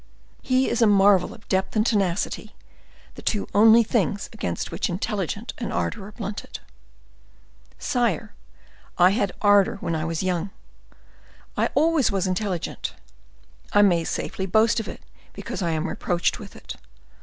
He is a marvel of depth and tenacity, the two only things against which intelligence and ardor are blunted. Sire, I had ardor when I was young; I always was intelligent. I may safely boast of it, because I am reproached with it.